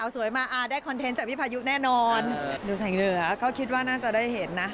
สวยมาได้คอนเทนต์จากพี่พายุแน่นอนดูใส่เหนือเขาคิดว่าน่าจะได้เห็นนะ